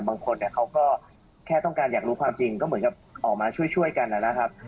บางคนเขาก็แค่ต้องการอยากรู้ความจริงก็เหมือนกับออกมาช่วยกันนะครับ